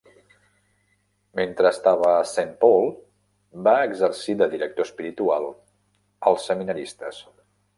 Mentre estava a Saint Paul, va exercir de director espiritual als seminaristes.